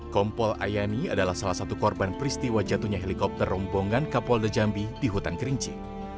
kompol ayani adalah salah satu korban peristiwa jatuhnya helikopter rombongan kapolda jambi di hutan kerinci